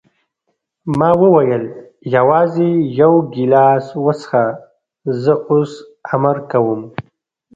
ما وویل: یوازې یو ګیلاس وڅښه، زه اوس امر کوم.